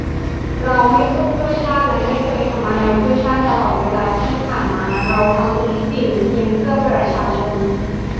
เราไม่สู้เพื่อชาติและไม่เคยทำอะไรเพื่อชาติ ตลอดเวลาที่ผ่านมาเราทำทุกสิ่งเพียงเพื่อประชาชน